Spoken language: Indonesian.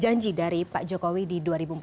janji dari pak jokowi di dua ribu empat belas